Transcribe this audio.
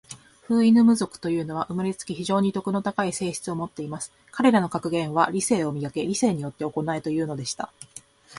フウイヌム族というのは、生れつき、非常に徳の高い性質を持っています。彼等の格言は、『理性を磨け。理性によって行え。』というのでした。